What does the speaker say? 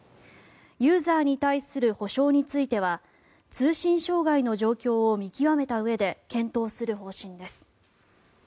ユーザーに対する補償については通信障害の状況を見極めたうえで検討する方針です。